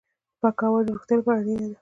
پاکه هوا د روغتیا لپاره اړینه ده